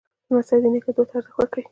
لمسی د نیکه دعا ته ارزښت ورکوي.